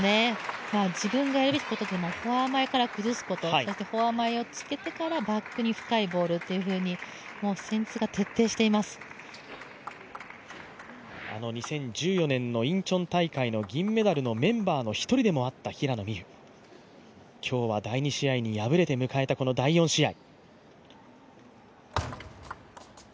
自分がやるべきことはフォア前から崩すこと、そしてフォア前をつけてからバックに深いボールっていうふうにあの２０１４年のインチョン大会の銀メダルのメンバーの１人でもあった平野美宇今日は第２試合に敗れて迎えた第４試合。